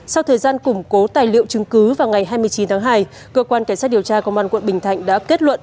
sau thời gian củng cố tài liệu chứng cứ vào ngày hai mươi chín tháng hai cơ quan cảnh sát điều tra công an quận bình thạnh đã kết luận